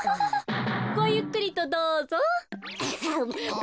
ごゆっくりとどうぞ。